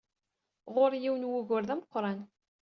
Ɣur-i yiwen n wugur d ameqran.